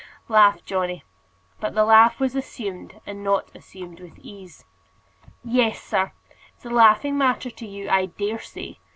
laughed Johnny. But the laugh was assumed, and not assumed with ease. "Yes, sir; it's a laughing matter to you, I dare say.